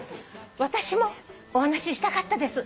「私もお話ししたかったです」